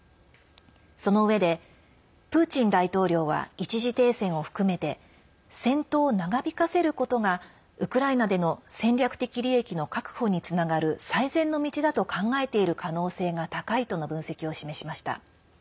そのうえで、プーチン大統領は一時停戦を含めて戦闘を長引かせることがウクライナでの戦略的利益の確保につながる最善の道だと考えている可能性が高いとの分析を示しました。